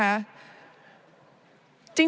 นะครับ